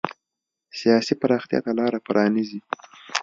سیاسي پراختیا ته لار پرانېزي.